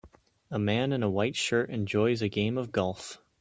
A man in a white shirt enjoys a game of golf